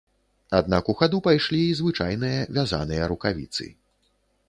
Аднак у хаду пайшлі і звычайныя вязаныя рукавіцы.